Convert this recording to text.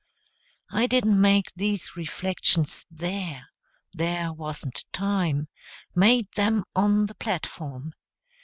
I didn't make these reflections there there wasn't time made them on the platform.